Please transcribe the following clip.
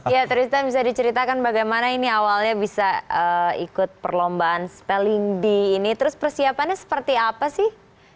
ya tristan bisa diceritakan bagaimana ini awalnya bisa ikut perlombaan spelling di ini terus persiapannya seperti apa sih